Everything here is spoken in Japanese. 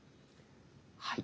はい。